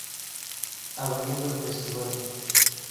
Abriendo el Festival.